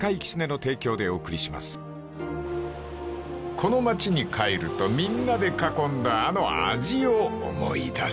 ［この町に帰るとみんなで囲んだあの味を思い出す］